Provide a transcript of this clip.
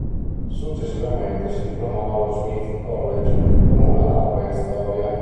Successivamente si diplomò allo Smith College con una laurea in Storia.